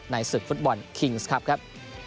ในศึกฟุตบอลคิงส์ครับครับ